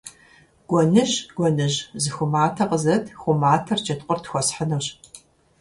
Гуэныжь, гуэныжь, зы ху матэ къызэт, ху матэр Джэдкъурт хуэсхьынущ.